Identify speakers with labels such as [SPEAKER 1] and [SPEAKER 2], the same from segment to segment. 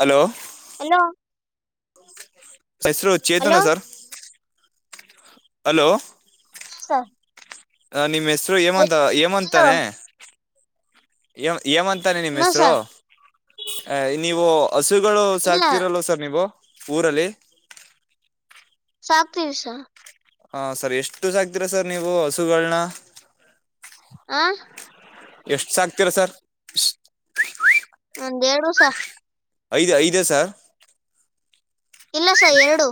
[SPEAKER 1] Hello
[SPEAKER 2] hello
[SPEAKER 1] ಹೆಸರು
[SPEAKER 2] hello
[SPEAKER 1] Chetana sir hello
[SPEAKER 2] ಹಸ
[SPEAKER 1] ನಿಮ್ಮ್ ಹೆಸರು ಏಮಂತ
[SPEAKER 2] ಹಲೋ
[SPEAKER 1] ಏಮಂತಾನೆ ಏಮಂತ ತಾನೆ ನಿಮ್ಮ
[SPEAKER 2] ನೋ ಸ
[SPEAKER 1] ಹೆಸರು ನೀವು ಹಸುಗಳು
[SPEAKER 2] ಇಲ್ಲ
[SPEAKER 1] ಸಾಕ್ತಿರಲ್ಲ ಸರ್ ನೀವು ಊರಲ್ಲಿ
[SPEAKER 2] ಸಾಪ್ ದಿವ್ಸ
[SPEAKER 1] ಹಾ ಸರ್ ಎಷ್ಟು ಸಾಕ್ತೀರಾ ಸರ್ ನೀವು ಹಸುಗಳನ
[SPEAKER 2] ಆ
[SPEAKER 1] ಎಷ್ಟು ಸಾಕ್ತೀರಾ ಸರ್
[SPEAKER 2] ಒಂದ್ ಎಡುಸ
[SPEAKER 1] ಐದ ಐದ ಸರ್
[SPEAKER 2] ಇಲ್ಲ ಸ ಎರಡು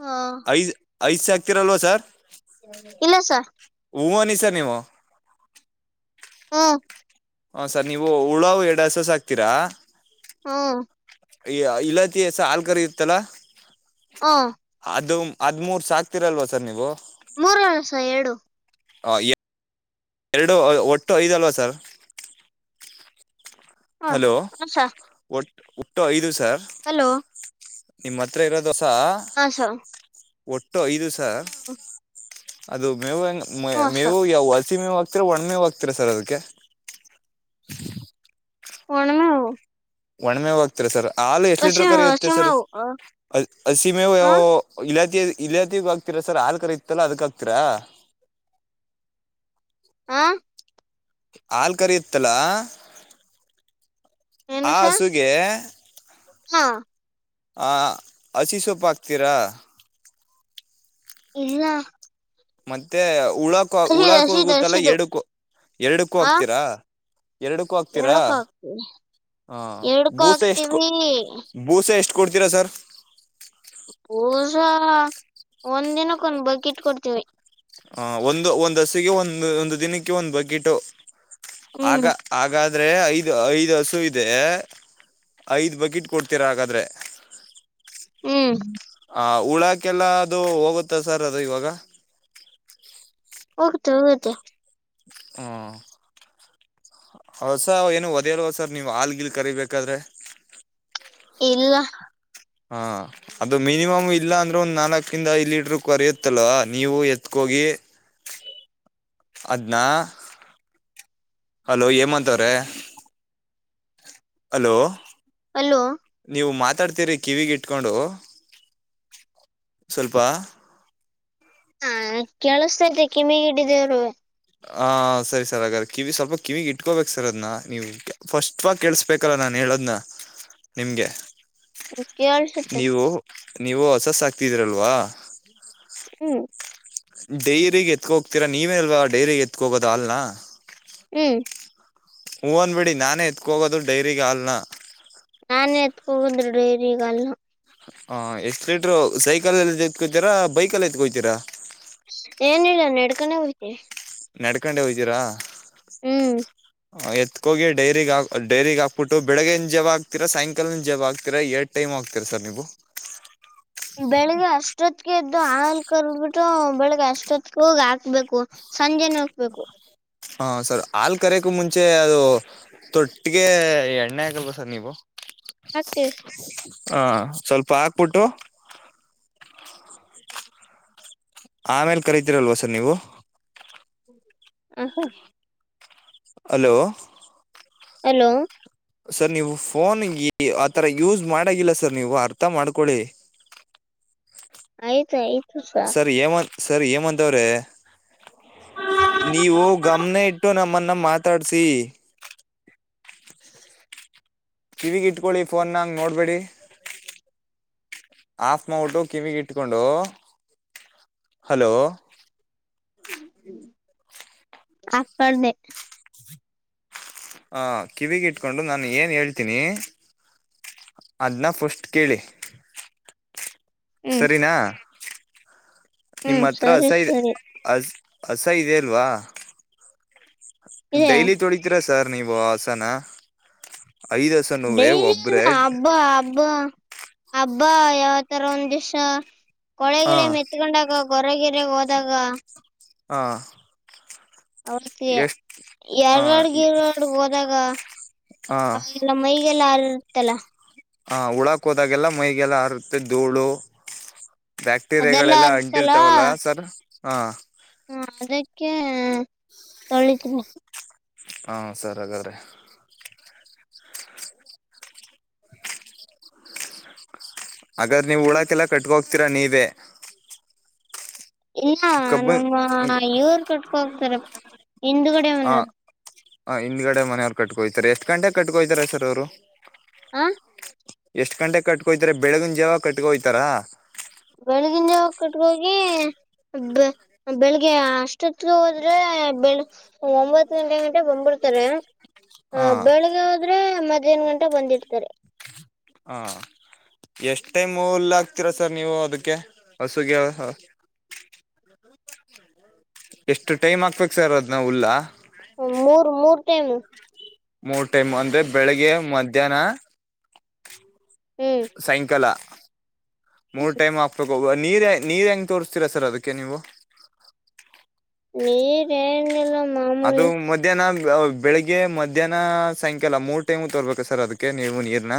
[SPEAKER 2] ಹ
[SPEAKER 1] ಐದು್ ಐದು್ ಸಾಕ್ತಿರಲ್ವ ಸರ್
[SPEAKER 2] ಇಲ್ಲಸ
[SPEAKER 1] ಹೂವನಿ ಸರ್ ನೀವು
[SPEAKER 2] ಹಾ
[SPEAKER 1] ಹ ಸರ್ ನೀವು ಹುಳಾವು ಎರಡ ಹಸು ಸಾಕ್ತೀರಾ
[SPEAKER 2] ಹಾ
[SPEAKER 1] ಈ ಇಲ್ಲಾತಿಸ ಹಾಲ್ ಕರಿ ಇರ್ತ್ತಲ್ಲಾ
[SPEAKER 2] ಹ
[SPEAKER 1] ಅದು ಅದ್್ಮೂರ್ ಸಾಕ್ತಿೀರಲ್ವ ಸರ್ ನೀವು
[SPEAKER 2] ಮೂರು ವಸ ಏಡುು
[SPEAKER 1] ಹ ಎ ಎರಡು ಒಟ್ಟು ಐದುಲ್ವಾ ಸರ್
[SPEAKER 2] ಹ
[SPEAKER 1] ಹಲೋ
[SPEAKER 2] ಹ ಸ
[SPEAKER 1] ಒಟ್ ಒಟ್ಟೋ ಐದು ಸರ್
[SPEAKER 2] ಹಲೋ
[SPEAKER 1] ನಿಮ್ಮ ಹತ್ರ ಇರೋ ದೋಸ
[SPEAKER 2] ಹ ಸರ್
[SPEAKER 1] ಒಟ್ಟು ಐದು ಸರ್ ಅದು ಮೇವು
[SPEAKER 2] ಹ್ಮ ಸ
[SPEAKER 1] ಮೇವು ಯಾವ ಹಸಿಮೇವು ಆರ ಒಣ್ಮೆ ಹೋಗ್ತೀರ ಸರ್ ಅದಕ್ಕೆ
[SPEAKER 2] ಒಣ ಮೇವು
[SPEAKER 1] ಒಣ ಮೇವಾಗಗ್ತರ ಸರ್ ಹಾಲು ಎಷ್ಟು
[SPEAKER 2] ಹಸಿ
[SPEAKER 1] ಲೀಟ್ರ ಕರಿಯುತ್ತೆ ಸರ್
[SPEAKER 2] ಹಸಿಮೆವು
[SPEAKER 1] ಹಸಿ ಮೇವು
[SPEAKER 2] ಹ
[SPEAKER 1] ಇಲಾತಿ ಇಲಯತಿಗ್ ಹಗ್ತತಿರಾ ಸರ್ ಆಾಲ್ ಕರ ಇತ್ತಲ್ಲಾ ಅದಕ್ ಆಗ್ತತಿರಾ
[SPEAKER 2] ಹಾ
[SPEAKER 1] ಹಾಲ್ಕರಿಯುತ್ತೆ ಅಲ್ಲ
[SPEAKER 2] ಏನು
[SPEAKER 1] ಆ
[SPEAKER 2] ಸ
[SPEAKER 1] ಹಸುಗೆ
[SPEAKER 2] ಹಾ
[SPEAKER 1] ಹ ಹಸಿ ಸೊಪ್ಪ ಹಾಕ್ತೀರಾ
[SPEAKER 2] ಇಲ್ಲ
[SPEAKER 1] ಮತ್ತೆ ಉಳಕ
[SPEAKER 2] ಹಸಿದು
[SPEAKER 1] ಉಳಾಕ
[SPEAKER 2] ಹಸಿದು
[SPEAKER 1] ಹೋಗುತ್ತಲ್ಲ
[SPEAKER 2] ಹಸಿದು
[SPEAKER 1] ಎರಡುಕ್ಕೂ ಎರಡಕ್ಕೂ
[SPEAKER 2] ಹ
[SPEAKER 1] ಹಗ್ತೀರಾ ಎರಡಕ್ಕೂ ಹಾಕ್ತೀರಾ
[SPEAKER 2] ಎರಡಕ್ಕೂ ಹಾಕ್ತಿವಿ
[SPEAKER 1] ಹ
[SPEAKER 2] ಎರಡಕ್ಕೂ
[SPEAKER 1] ಬೂಸೆ ಎಷ್ಟೂ
[SPEAKER 2] ಹಾಕ್ತಿವಿ
[SPEAKER 1] ಬೂಸೆ ಎಷ್ಟು ಕೊಡ್ತೀರಾ ಸರ್
[SPEAKER 2] ಪೂಸಾ ಒಂದ್ ದಿನಕ್ಕ ಒಂದ ಬಕಿಟ್ ಕೊಡ್ತೀವಿ
[SPEAKER 1] ಆ ಒಂದು ಒಂದ್ ಹಸಿಗೆ ಒಂದು ಒಂದು ದಿನಕ್ಕೆ ಒಂದು ಬಕೆಟ್ು
[SPEAKER 2] ಹ್ಮ್
[SPEAKER 1] ಆಗ ಆಾದ ಆದ್ರೆ ಐದು ಐದ್ ಹಸು ಇದೆ ಐದ್ ಬಕೆಟ್ ಕೊಡ್ತೀರಾ ಹಾಗಾದ್ರೆ
[SPEAKER 2] ಹ್ಮ್
[SPEAKER 1] ಆ ಉಳಾಕ್ಕೆಲ್ಲ ಅದು ಹೋಗುತ್ತೆ ಸರ್ ಅದು ಇವಾಗ
[SPEAKER 2] ಹೋಗ್ತೆ ಹೋಗುತ್ತೆ
[SPEAKER 1] ಹೂ ಹೌದುಸ ಏನು ಒದೇಲ್ವ ಸರ್ ನೀವು ಹಾಗಿಲ್ ಕರಿಬೇಕಾದ್ರೆ
[SPEAKER 2] ಇಲ್ಲ
[SPEAKER 1] ಹಾಂ ಅದು ಮಿನಿಮಮ್ ಇಲ್ಲ ಅಂದ್ರೆ ಒಂದ್ ನಾಲ್ಕಿಂದ ಐ್ ಲೀಟರ್ಕ್ ಕರಿಯುತ್ತಲ್ವಾ ನೀವು ಎತ್ಕೋಗಿ ಅದ್ನಾ ಹಲೋ ಹೇಮಂತ್ ಅಂತವ್ರೆ ಹಲೋ
[SPEAKER 2] ಅಲ್ಲೋ
[SPEAKER 1] ನೀವು ಮಾತಾಡ್ತೀರಿ ಕಿವಿಗೆ ಇಟ್ಕೊಂಡು ಸ್ವಲ್ಪ
[SPEAKER 2] ಹಾ ಕೇಳಿಸತತೆ ಕಿವಿ ಇಟ್ಟಿದವರ್
[SPEAKER 1] ಹ ಸರಿ ಸರ್ ಹಾಗಾದ್ರ ಕಿವಿ ಸ್ವಲ್ಪ ಕಿವಿಗೆ ಇಟ್ಕೋಬೇಕು ಸರ್ ಅದ್ ನೀವು ಫಸ್ಟ್ ಸ್ಪಷ್ಟವಾಗಿ ಕೇಳಸ್ಬೇಕಲ್ಲ ನಾನ್ ಹೇಳೋದ್ನ್ನ ನಿಮ್ಗೆ
[SPEAKER 2] ಕೇಳ್ಸುತ್ತೆ
[SPEAKER 1] ನೀವು ನೀವು ಹಸು ಸಕ್ತಾ ಇದಿರಲ್ವ
[SPEAKER 2] ಹೂ
[SPEAKER 1] ಡೈಗೆ ಎತ್ಕ ಹೋಗ್ತೀರಾ ನೀವೇನಲ್ವಾ ಡೈ ಎತ್ಕ ಹೋದ ಹಾಲ್ನ
[SPEAKER 2] ಹೂ
[SPEAKER 1] ಹೂಂದ್ ಬಿಡಿ ನಾನೇ ಎತ್ಕೋಗೋದು ಡೈರಿಗ ಹಲ್ನ
[SPEAKER 2] ನಾನೇ ಎತ್ಕೋಗಂದ್ರಿ ಡೈರಿ ಈಗಲ್ಲ
[SPEAKER 1] ಹ ಎಷ್ಟ್ ಲೀಟರು ಸೈಕಲ್ ಎಲ್ಲಿ ಎತ್ಕೋತೀರಾ ಬೈಕಲ್ಲಿ ಎತ್ಕೋತೀರಾ
[SPEAKER 2] ಏನ ಇಿಲ್ಲ ನೆಡ್ಕನ ಹೋಗಿ
[SPEAKER 1] ನಡ್ಕೊಂಡೆ ಹೋಗತೀರಾ
[SPEAKER 2] ಹ್ಮ್
[SPEAKER 1] ಎತ್ಕೋಗಿ ಡೈರಿಗ್ ಡೈರಿಗೆಗ್ ಹಕ್ಬಿಟ್ಟ ಬೆಳಗ್ಗೆಿನ ಜವ ಆಗ್ತಿೀರ ಸಾಯಂಕಾಲನಿನ ಜವ ಆಗ್ತೀರಾ ಎ ಟೈಮ್ ಆಗ್ತೀರ ಸರ್ ನೀವು
[SPEAKER 2] ಬೆಳಿಗ್ಗೆ ಅಷ್ಟೊತ್ಗೆ ಎದ್ದು ಹಾಲ್ ಕರ್ದಬಿಟ್ಟು ಬೆಳಿಗ್ಗೆ ಅಷ್ಟೊತ್ತಗೆ ಹೋಗಿ ಹಾಕ್ಬೇಕು. ಸಂಜೆ ನೋಕ್ಬೇಕು.
[SPEAKER 1] ಹಾ ಸರ್ ಹಾಲ್ ಕರೆಗೂ ಮುಂಚೆ ಅದು. ತೊಟ್ಟಿಗೆ ಎಣ್ಣೆ ಆಗಲ್ವಾ ಸರ್ ನೀವು.
[SPEAKER 2] ಆಗ್ತಿವಿ
[SPEAKER 1] ಹಾ ಸ್ವಲ್ಪ ಹಾಕ್ಬಿಟ್ಟು. ಆಮೇಲ್ ಕರಿತೀರಲ್ವಾ ಸರ್ ನೀವು.
[SPEAKER 2] [inaudible]
[SPEAKER 1] ಹಲೋ
[SPEAKER 2] ಹಲೋ
[SPEAKER 1] ಸರ್ ನೀವು ಫೋನ್ ಆ ಥರ ಯೂಸ್ ಮಾಡಾಗಿಲ್ಲ ಸರ್ ನೀವು ಅರ್ಥ ಮಾಡ್ಕೊಳ್ಳಿ.
[SPEAKER 2] ಆಯ್ತಾಯ್ತು.
[SPEAKER 1] ಸರ್ ಹೇಮತ್ ಸರ್ ಹೇಮಂತ್ ಅವ್ರೆ. ನೀವು ಗಮ್ನ ಇಟ್ಟು ನಮ್ಮನ್ನ ಮಾತಾಡ್ಸಿ. ಕಿವಿಗೆ ಇಟ್ಕೊಳ್ಳಿ ಫೋನ್ ಹಂಗ್ ನೋಡ್ಬೇಡಿ. ಆಫ್ ಮಾಡ್ಬಿಟ್ಟು ಕಿವಿಗೆ ಇಟ್ಕೊಂಡು ಹಲೋ.
[SPEAKER 2] ಆಫ್ ಮಾಡಿದೆ.
[SPEAKER 1] ಹ ಕಿವಿಗೆ ಇಟ್ಕೊಂಡು ನಾನು ಏನ್ ಹೇಳ್ತೀನಿ. ಅದ್ನ ಫಸ್ಟ್ ಕೇಳಿ.
[SPEAKER 2] ಹ್ಮ್
[SPEAKER 1] ಸರಿನಾ ನಿಮ್ಮ
[SPEAKER 2] ಹ್ಮ್
[SPEAKER 1] ಹತ್ರ ಹಸ
[SPEAKER 2] ಸರಿ
[SPEAKER 1] ಇದೆ.
[SPEAKER 2] ಸರಿ
[SPEAKER 1] ಅ ಹಸ ಇದೆ ಅಲ್ವಾ
[SPEAKER 2] ಇದೆ
[SPEAKER 1] ಡೈಲಿ ತೋಳಿ ತೀರಾ ಸರ್ ನೀವು ಹಸನ ಐದ್ ಹಸ್
[SPEAKER 2] ಡೈಲಿಲ್ಲ ಹಬ್ಬಾ ಹಬ್ಬಾ. ಹಬ್ಬ ಯಾವ ತರ ಒಂದ್ ದಿವಸ
[SPEAKER 1] ಹ
[SPEAKER 2] ಕೊಳೆಗಿಳೇ ಮೆತ್ ಕತ್ಕೊಂಡಾಗ ಗೊರ ಗಿರಗ್ ಹೋದಾಗ.
[SPEAKER 1] ಹಾ
[SPEAKER 2] ಅವತ್ತೇ
[SPEAKER 1] ಹ
[SPEAKER 2] ಎರಡ್ ಗಿರಡ್ ಹೋದಾಗ.
[SPEAKER 1] ಹ
[SPEAKER 2] ಅಲ್ಲ ಮೈಗೆಲ್ಲ ಹಾರಿರುತಲ್ಲ.
[SPEAKER 1] ಹಾ ಉಳಾಕ್ ಹೋದಾಗೆಲ್ಲ ಮೈಗೆಲ್ಲ ಹಾರತ್ತೆ ಧೂಳು.
[SPEAKER 2] ಅದೆಲ್ಲ
[SPEAKER 1] ಬ್ಯಾಕ್ಟೀರಿಯಾಗಳೆಲ್ಲ
[SPEAKER 2] ಇರುತ್ತಲ್ಲ
[SPEAKER 1] ಅಂಟಿರ್ತಾವಲ್ಲ ಸರ್ ಹಾ.
[SPEAKER 2] ಹಾ ಅದಕ್ಕೆ ತೊಳಿತಿನಿ.
[SPEAKER 1] ಹಾ ಸರ್ ಹಾಗಾದ್ರೆ. ಹಾಗಾದ್ರ ನೀವು ಉಳಾಕೆಲ್ಲ ಕಟ್ಕೋಗ್ತೀರಾ ನೀವೇ.
[SPEAKER 2] ಇಲ್ಲ
[SPEAKER 1] ಕಬ್ಬು
[SPEAKER 2] ನಮ್ಮ ಇವ್ರು ಕಟ್ಕೊ ಹೋಗ್ತಾರೆ ಹಿಂದ್ಗಡೆ
[SPEAKER 1] ಹ
[SPEAKER 2] ಮನೆವ್ರು.
[SPEAKER 1] ಹ ಹಿಂದ್ಡೆ ಮನವ್ರು ಕಟ್ಕೊಹೊಯ್ತಾರೆ ಎಷ್ಟ ಗಂಟೆಗೆ ಕಟ್ಕೊಹೊಯ್ತಾರೆ ಸರ್ ಅವ್ರು.
[SPEAKER 2] ಹ
[SPEAKER 1] ಎಷ್ಟ್ ಗಂಟೆ ಕಟ್ಕೊಹೊಯ್ತಾರೆ ಬೆಳಗಿನ ಜಾವವ ಕಟ್ಕೊಯ್ತಾರ.
[SPEAKER 2] ಬೆಳಗಿನ ಜವ ಕಟ್ಗ ಹೋಗಿ. ಬೆ ಬೆಳಿಗ್ಗೆ ಅಷ್ಟೊತ್ಗೆ ಹೋದ್ರೆ ಬೆಳಗ್ ಒಂಬತ್ ಗಂಟೆ ಗಂಟ ಬಂದ್ಬಿಡ್ತಾರೆ. ಹ
[SPEAKER 1] ಹಾ
[SPEAKER 2] ಬೆಳಿಗ್ಗೆ ಹೋದ್ರೆ ಮಧ್ಯಾಹ್ನ ಗಂಟ ಬಂದಿರ್ತಾರೆ.
[SPEAKER 1] ಹಾಂ ಎಷ್ಟು ಟೈಮ್ ಹುಲ್ಲ ಆಕ್ತೀರಾ ಸರ್ ನೀವು ಅದಕ್ಕೆ ಹಸುಗೆ. ಎಷ್ಟು ಟೈಮ್ ಆಕ್ಬೇಕು ಸರ್ ಅದ್ನಾ ಹುಲ್ಲಾ.
[SPEAKER 2] ಹ್ಮ್ ಮೂರ್ ಮೂರ್ ಟೆಮು.
[SPEAKER 1] ಮೂರು ಟೈಮ್ ಅಂದ್ರೆ ಬೆಳಿಗ್ಗೆ ಮಧ್ಯಾಹ್ನ.
[SPEAKER 2] ಹ್ಮ್
[SPEAKER 1] ಸಾಯಂಕಾಲ ಮೂರು ಟೈಮ್ ಹಾಕ್ಬೇಕು ಹೋಗ ನೀರು ನೀರು ಹೆಂಗೆ ತೋರಿಸ್ತೀರಾ ಸರ್ ಅದಕ್ಕೆ ನೀವು
[SPEAKER 2] ನೀರ್ ಏನಿಲ್ಲ
[SPEAKER 1] ಅದು
[SPEAKER 2] ಮಾಮೂಲಿ
[SPEAKER 1] ಮದ ಮಧ್ಯಾಹ್ನ ಬೆಳಗ್ಗೆ ಮಧ್ಯಾಹ್ನ ಸಾಯಕಾಲ ಮೂರ್ ಟೈಮು ತೋರ್ಬೇಕ ಸರ್ ಅದಕ್ಕೆ ನೀವು ನೀರ್ನ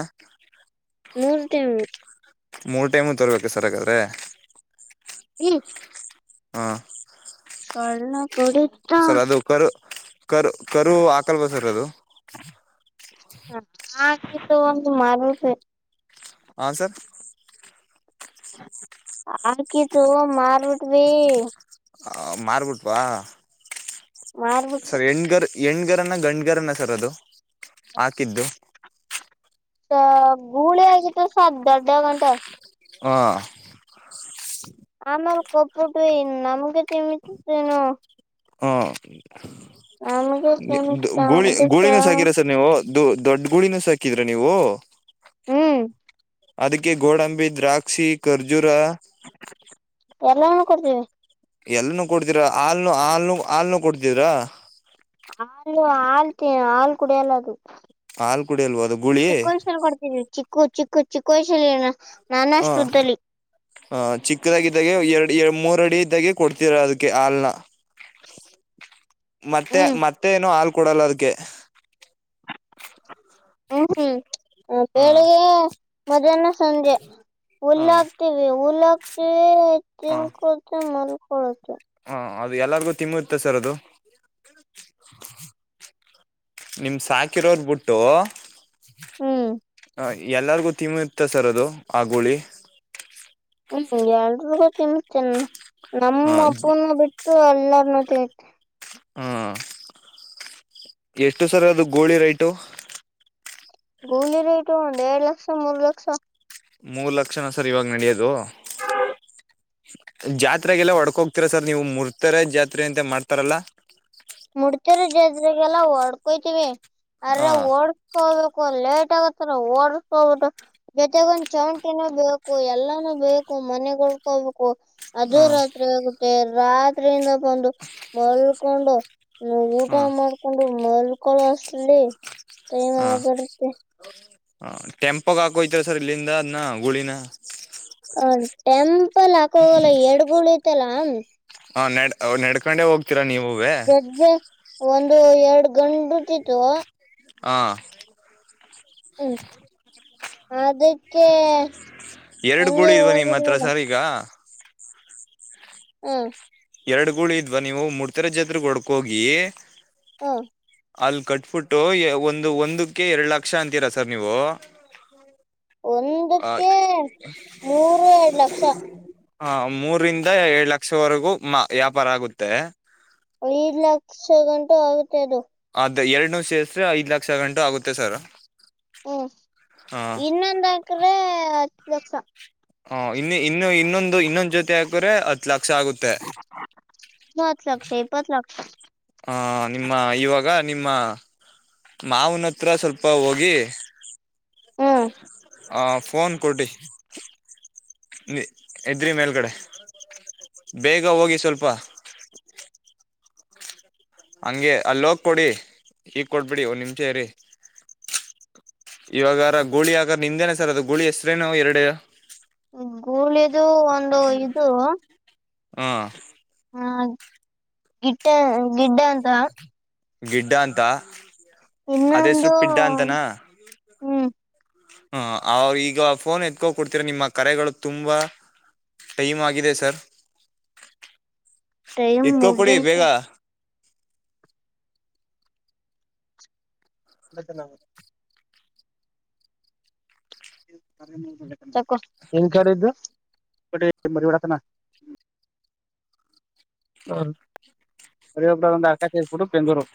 [SPEAKER 2] ಮೂರ್ ಟೈಮ್ಸ್
[SPEAKER 1] ಮೂರ್ ಟೈಮು ತರ್ಬೇಕು ಸರಗಾದ್ರೆ
[SPEAKER 2] ಹ್ಮ
[SPEAKER 1] ಹಾ
[SPEAKER 2] ಸ್ವರ್ಣ ಕಡಿ [unintelligible]
[SPEAKER 1] ಸರ್ ಅದು ಕರು ಕರು ಕರು ಹಾಕಲ್ ಬ ಸರ್ ಅದು
[SPEAKER 2] ಹ ಆಕಿದ್ದು ಒಂದು ಮರ
[SPEAKER 1] ಹ ಸರ್
[SPEAKER 2] ಆಾಕತ್ತುು ಮಾರ್ಬಿಟ್ವಿ
[SPEAKER 1] ಮಾರ್ಬಿಟ್ವಾ
[SPEAKER 2] ಮಾರ್ಬಿಟ್ಟ
[SPEAKER 1] ಸರ್ ಹೆಣ್ಗರ್ ಹೆಣ್ಗರನ್ನ ಗಂಡುಗರನ ಸರ್ ಅದು ಹಾಕಿದ್ದು
[SPEAKER 2] ಗುಳ ಆಗ ತ ಸಾ ದಡ ಟೆ
[SPEAKER 1] ಹಾ
[SPEAKER 2] ಆಮೇಲೆ ಕೊಪ್ಪಟ್ಟ ನಮ್ಗೆಮತಿ ತನು
[SPEAKER 1] ಹಾ
[SPEAKER 2] ನಮ್ಗೆ ತಿಮಿತ
[SPEAKER 1] ಗೋಳಿ
[SPEAKER 2] ಅದಕ್ಕ
[SPEAKER 1] ಗೋಳಿನ ಸಾಕಿರ ನೀವು ದೊಡ್ಡ ಗುಳಿನ ಸಾಕಿದ್ರಿ ನೀವು
[SPEAKER 2] ಹ್ಮ್
[SPEAKER 1] ಅದಕ್ಕೆ ಗೋಡಂಬಿ ದ್ರಾಕ್ಷಿ ಖರ್ಜೂರ
[SPEAKER 2] ಎಲ್ಲ ನ ಕೊಡ್ತೀವಿ
[SPEAKER 1] ಎಲ್ಲನೂ ಕೊಡ್ತೀರಾ ಹಲ್ನು ಹಾಲ್ನು ಹಾಲ್ನು ಕೊಡ್ತಿದರಾ
[SPEAKER 2] ಹಾಲು ಹಾಳ್ ಹಾಲ್ ಕುಡಿಯಲ್ಲ ಅದು
[SPEAKER 1] ಹಾಲ್ ಕುಡಿ ಅಲ್ವ ಅದು ಗುಳಿ
[SPEAKER 2] ಚಿಕ್ಕೋಸಲ್ ಕೊಡ್ತಿದವಿ ಚಿಕ್ಕು ಚಿಕ್ಕು ಚಿಕ್ಕ ವಸಲ್ಏನ
[SPEAKER 1] ಹ ಆಹ ಚಿಕ್ಕದಾಗಿದ್ದಾಗ ಎರಡು ಎ ಮೂರ ಅಡಿ ಇದ್ದಾಗೆ ಕೊಡ್ತೀರ ಅದಕ್ಕೆ ಹಲ್ನ್ನ ಮತ್ತೆ
[SPEAKER 2] ಹ್ಮ್
[SPEAKER 1] ಮತ್ತೆ ಏನು ಹಾಲ್ ಕೊಡಲ್ಲ ಅದಕ್ಕೆ
[SPEAKER 2] ಹ್ಮ್ ಹ್ಮ್
[SPEAKER 1] ಹ
[SPEAKER 2] ಬೆಳಗೆ ಮಧ್ಯಾಹ್ನ ಸಂಜೆ
[SPEAKER 1] ಹ
[SPEAKER 2] ಹುಲ್ಲಾಕ್ತಿವಿ ಹುಲ್ಲಾಕ್ತಿವಿ ಹೆಚ್ಚನ್ ಕೊಡ್ತ ಮಲ್ ಕೊಡತ
[SPEAKER 1] ಹಾ ಅದು ಎಲ್ಲರಿಗು ತಿಮ್ಮ ಇತ್ತೆ ಸರ್ ಅದು ನಿಮ ಸಾಕಿರೋರ್ ಬಿುಟ್ಟು
[SPEAKER 2] ಹ್ಮ್
[SPEAKER 1] ಹ ಎಲ್ಲಾರ್ಗು ತಿಮಿ ಇತ್ತ ಸರ್ ಅದು ಆ ಗುಳಿ
[SPEAKER 2] ಹ್ಮ್ ಎಲ್ರಿಗೂ ತಿನ್ತನ್
[SPEAKER 1] ಹ
[SPEAKER 2] ನಮ್ಮ ಅಪ್ಪನು ಬಿಟ್ಟು ಎಲ್ಲರನುೂ ತಿನ್
[SPEAKER 1] ಹಾ ಎಷ್ಟು ಸರ್ ಅದು ಗೋಳಿ ರೈಟು
[SPEAKER 2] ಗೂಳಿ ರೇಟು ಒಂದ್ ಎರಡ್ ಲಕ್ಷ ಮೂರ್ ಲಕ್ಷ
[SPEAKER 1] ಮೂರ್ ಲಕ್ಷನ ಸರ್ ಇವಾಗ ನಡೆಯೋದು ಜಾತ್ರೆಗೆಲ್ಲ ಹೊಡ್ಕೋಗ್ತೀರಾ ಸರ್ ನೀವು ಮುರ್ತರ ಜಾತ್ರೆ ಅಂತ ಮಾಡ್ತಾರಲ್ಲಾ
[SPEAKER 2] ಮುಡ್ತಿರ ಜಜ್ರಗೆಲ್ಲ ಹೊಡ್ಕೋಯತಿವಿ ಅ್ರ
[SPEAKER 1] ಹಾ
[SPEAKER 2] ಓಡ್ ಹೋಗ್ಬೇಕು ಲೇಟ್ ಆಗತ್ತಾರ ಓಡಸ್ ಹೋಗುದು ಜೊತೆಗ ಒಂದ್ ಚೌಂಟಿನೂ ಬೇಕು ಎಲ್ಲಾನೂ ಬೇಕು ಮನೆಗಳ್ಕೋಬೇಕು ಅದು
[SPEAKER 1] ಹಾ
[SPEAKER 2] ರಾತ್ರಿ ಆಗುತ್ತೆ ರಾತ್ರಿಯಿಂದ ಬಂದು ಮಲ್ಕೊಂಡು ನೀ ಊಟ
[SPEAKER 1] ಹಾ
[SPEAKER 2] ಮಾಡ್ಕೊಂಡು ಮಲ್ಕಳೋ ಅಷ್ಟಲ್ಲಿ ಟೈಮ್ ಆಗರುತ್ತೆ
[SPEAKER 1] ಹ ಟೆಂಪಗೆ ಹಾಕೋತರ ಸರ್ ಇಲ್ಲಿಂದ ಅದ್ನ ಗೂಳಿನ.
[SPEAKER 2] ಒ ಟೆಂಪಲ್ ಹಾಕೋಗಲ್ಲ ಎಡ್ಗೂಳಿ ಐತೆಲ್ಲ ಹ.
[SPEAKER 1] ಹಾ ನೆಡ್ ಅವ್ ನಡ್ಕೊಂಡೆ ಹೋಗ್ ಗ್ತೀರ ನೀವುವೆ.
[SPEAKER 2] ಎಜ್ಜೆ ಒಂದು ಎರಡು ಗಂಡುಟಿತ್ತು.
[SPEAKER 1] ಹಾ
[SPEAKER 2] ಹ್ಮ್ ಅದಕ್ಕೆ ಹಂಗೆ ಹೋಗಿದೀವಿ ಇವಾಗ.
[SPEAKER 1] ಇಗ.
[SPEAKER 2] ಹ್ಮ
[SPEAKER 1] ಎರಡ್ ಗೂಳಿ ಇದ್ವಾ ನೀವು ಮೂಡ್ಕೆರೆ ಜಾತ್ರೆಗ್ ಹೊಡ್ಕೋಗಿ.
[SPEAKER 2] ಹಾ
[SPEAKER 1] ಅಲ್ಲಿ ಕಟ್ಬಿಟ್ಟು ಒಂದು ಒಂದಕ್ಕೆ ಎರಡು ಲಕ್ಷ ಅಂತೀರಾ ಸರ್ ನೀವು. ಆ,
[SPEAKER 2] ಒಂದಕ್ಕೆ ಮೂರು ಎರಡ್ ಲಕ್ಷ.
[SPEAKER 1] ಹ ಮೂರಿಂದ ಎರಡ್ ಲಕ್ಷವರೆಗೂ ಮ ವ್ಯಾಪಾರ ಆಗುತ್ತೆ.
[SPEAKER 2] ಐದ್ ಲಕ್ಷ ಗಂಟ ಆಗುತ್ತೆ ಅದು.
[SPEAKER 1] ಅದೆ ಎರಡ್ನು ಸೇಸ್ರೆ ಐದ್ ಲಕ್ಷ ಗಂಟು ಆಗುತ್ತೆ ಸರ್.
[SPEAKER 2] ಹ್ಮ್
[SPEAKER 1] ಹ
[SPEAKER 2] ಇನ್ನೊಂದಾಕ್ರೆ ಹತ್ತು ಲಕ್ಷಾ.
[SPEAKER 1] ಹಾ ಇನ್ನು ಇನ್ನು ಇನ್ನೊಂದು ಇನ್ನೊಂದ್ ಜೊತೆ ಹಾಕ್ರೆ ಹತ್ ಲಕ್ಷ ಆಗುತ್ತೆ.
[SPEAKER 2] ಇನ್ನ ಹತ್ ಲಕ್ಷ ಇಪ್ಪತ್ ಲಕ್ಷ.
[SPEAKER 1] ಹ ನಿಮ್ಮ ಇವಾಗ ನಿಮ್ಮ ಮಾವ್ನ ಹತ್ರ ಸ್ವಲ್ಪ ಹೋಗಿ.
[SPEAKER 2] ಹ್ಮ್
[SPEAKER 1] ಹ ಫೋನ್ ಕೊಡಿ. ನಿ ಎದ್ರಿ ಮೇಲ್ಗಡೆ ಬೇಗ ಹೋಗಿ ಸ್ವಲ್ಪ. ಹಂಗೆ ಅಲ್ಲೋಗ ಕೊಡಿ ಈಗ್ ಕೊಡ್ಬಿಡಿ ಒಂದ ನಿಂಶ ಇರಿ. ಇವಾಗಾರ ಗೂಳಿ ಆಗಾರ ನಿಮ್ದೇನಾ ಸರ್ ಅದು ಗೂಳಿ ಎಸ್ರೇನು ಎರಡು.
[SPEAKER 2] ಗೂಳಿದು ಒಂದು ಇದು.
[SPEAKER 1] ಹಾ
[SPEAKER 2] ಹಾ ಗಿಟ್ಟ ಗಿಡ್ಡ ಅಂತ.
[SPEAKER 1] ಗಿಡ್ಡ ಅಂತ ಅದ ಹೆಸ್ರು
[SPEAKER 2] ಇನ್ನೊಂದು
[SPEAKER 1] ಪಿಡ್ಡ ಅಂತನಾ
[SPEAKER 2] ಹ್ಮ್.
[SPEAKER 1] ಹ ಅವ್ರ ಈಗ ಫೋನ್ ಎತ್ಕೋ ಕೊಡ್ತಿರ ನಿಮ್ಮ ಕರೆಗಳು ತುಂಬಾ. ಟೈಮ್ ಆಗಿದೆ ಸರ್.
[SPEAKER 2] ಟೈಮ್
[SPEAKER 1] ಎತ್ಕೋ ಕೊಡಿ ಬೇಗ
[SPEAKER 2] ಮುಗ್ದೈತೆ. [unintelligible] ಸರ್ಕೊ ಹೆಂಗ ಸರ್ ಇದು ಕೊಡಿ ಮರಿ ಹೊಡಿತನ. ಹ್ಮ [unintelligible] ಹರ್ಕೆ ತೀರ್ಸಬುಟ್ಟು ಬೆಂಗಳೂರು.